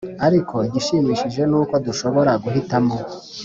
Ariko igishimishije ni uko dushobora guhitamo